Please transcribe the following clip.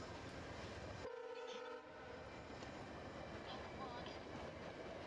Ujenzi wa majengo yao ulitegemea zaidi mawe na matumbawe